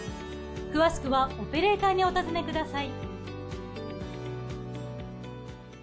詳しくはオペレーターにお尋ねください。